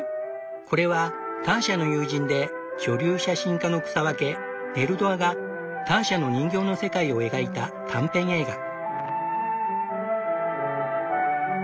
これはターシャの友人で女流写真家の草分けネル・ドアがターシャの人形の世界を描いた短編映画。